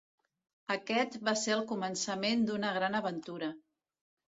Aquest va ser el començament d'una gran aventura.